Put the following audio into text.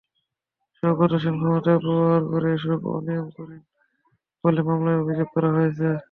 শওকত হোসেন ক্ষমতার অপব্যবহার করে এসব অনিয়ম করেন বলে মামলায় অভিযোগ করা হয়েছে।